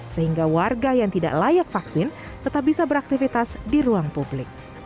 sehingga warga yang tidak layak vaksin tetap bisa beraktivitas di ruang publik